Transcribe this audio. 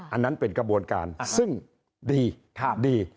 อันนั้นเป็นกระบวนการซึ่งดีดี